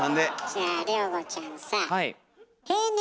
じゃあ亮吾ちゃんさぁ